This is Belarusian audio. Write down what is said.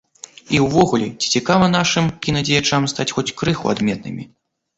І ўвогуле, ці цікава нашым кінадзеячам стаць хоць крыху адметнымі?